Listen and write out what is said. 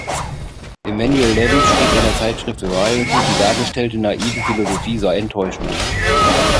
Emanuel Levy schrieb in der Zeitschrift "Variety", die dargestellte „naive Philosophie“ sei enttäuschend.